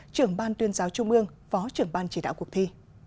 trưởng ban tuyên giáo trung ương phó trưởng ban chỉ đạo cuộc thi